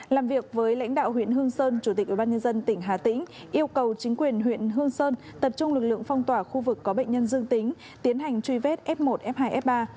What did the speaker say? làm việc với lãnh đạo huyện hương sơn chủ tịch ubnd tỉnh hà tĩnh yêu cầu chính quyền huyện hương sơn tập trung lực lượng phong tỏa khu vực có bệnh nhân dương tính tiến hành truy vết f một f hai f ba